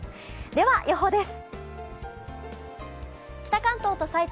では予報です。